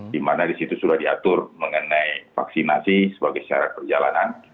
dimana disitu sudah diatur mengenai vaksinasi sebagai syarat perjalanan